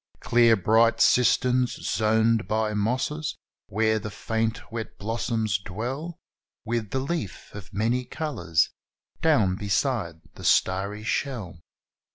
Clear, bright cisterns, zoned by mosses, where the faint wet blossoms dwell With the leaf of many colours down beside the starry shell.